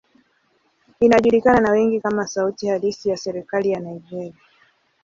Inajulikana na wengi kama sauti halisi ya serikali ya Nigeria.